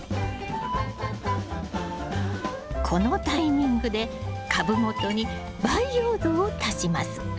このタイミングで株元に培養土を足します。